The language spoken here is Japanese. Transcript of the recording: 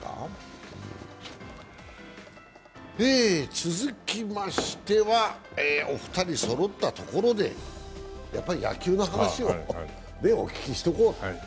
続きましては、お二人そろったところでやっぱり野球の話をお聞きしとこう。